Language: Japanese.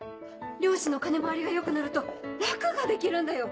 漁師の金回りが良くなると楽ができるんだよ！